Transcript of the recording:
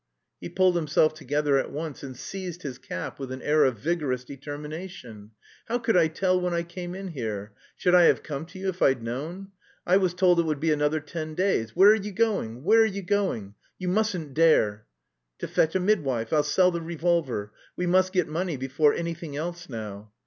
He pulled himself together at once and seized his cap with an air of vigorous determination. "How could I tell when I came in here? Should I have come to you if I'd known? I was told it would be another ten days! Where are you going?... Where are you going? You mustn't dare!" "To fetch a midwife! I'll sell the revolver. We must get money before anything else now."